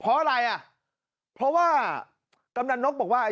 เพราะอะไรอ่ะเพราะว่ากำนันนกบอกว่า